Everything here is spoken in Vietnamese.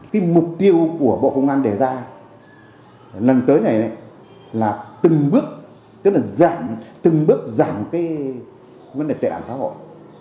cái mục tiêu của bộ công an đề ra lần tới này là từng bước giảm tệ nạn xã hội